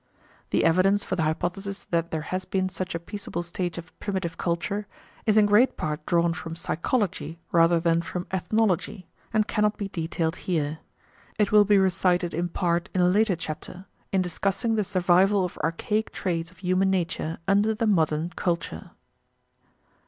The evidence for the hypothesis that there has been such a peaceable stage of primitive culture is in great part drawn from psychology rather than from ethnology, and cannot be detailed here. It will be recited in part in a later chapter, in discussing the survival of archaic traits of human nature under the modern culture.